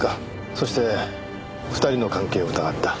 そして２人の関係を疑った。